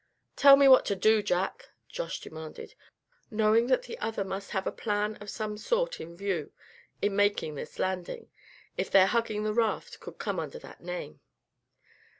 "Tell me what to do, Jack!" Josh demanded, knowing that the other must have a plan of some sort in view in making this landing, if their hugging the raft could come under that name.